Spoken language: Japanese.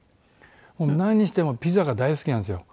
なんにしてもピザが大好きなんですよ